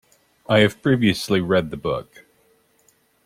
I have previously read the book.